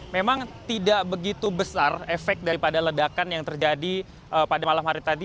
memang tidak begitu besar efek daripada ledakan yang terjadi pada malam hari tadi